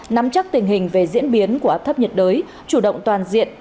nắm chắc tình hình về diễn biến của áp thấp nhiệt đới chủ động toàn diện